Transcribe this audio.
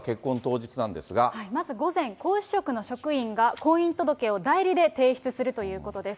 まず午前、皇嗣職の職員が婚姻届を代理で提出するということです。